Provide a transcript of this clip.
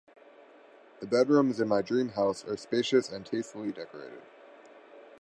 The bedrooms in my dream house are spacious and tastefully decorated.